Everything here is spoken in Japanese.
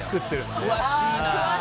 詳しいなあ。